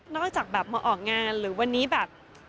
จากแบบมาออกงานหรือวันนี้แบบ